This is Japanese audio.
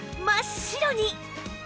真っ白に！